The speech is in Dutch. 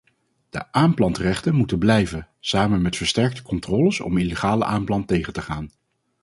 De aanplantrechten moeten blijven, samen met versterkte controles om illegale aanplant tegen te gaan.